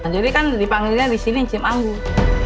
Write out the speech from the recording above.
jadi kan dipanggilnya disini cim anggur